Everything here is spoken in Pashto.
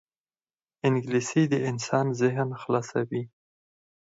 انګلیسي د انسان ذهن خلاصوي